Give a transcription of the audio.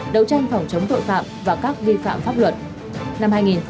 đấu tranh phòng chống tội phạm và các vi phạm pháp luật